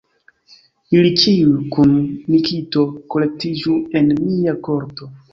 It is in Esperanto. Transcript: Ili ĉiuj kun Nikito kolektiĝu en mia korto.